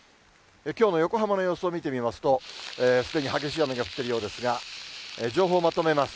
きょうの横浜の様子を見てみますと、すでに激しい雨が降ってるようですが、情報をまとめます。